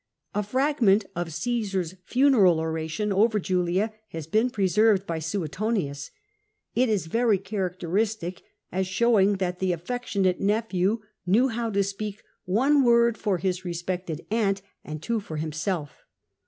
A fragment of Cmsar's funeral, oration over Julia has been preserved by Suetonius; it is very characteristic, as showing that the affectionate nephew knew how to speak one word for his respected aunt and two for himself.